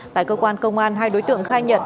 tại cơ quan công an hai đối tượng khai nhận